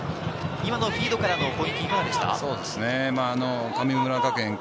今のフィードからの攻撃いかがですか？